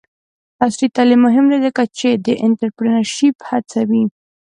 عصري تعلیم مهم دی ځکه چې د انټرپرینرشپ هڅوي.